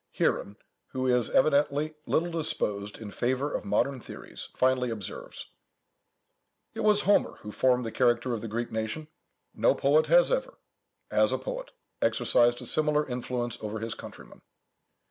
Heeren, who is evidently little disposed in favour of modern theories, finely observes:— "It was Homer who formed the character of the Greek nation. No poet has ever, as a poet, exercised a similar influence over his countrymen.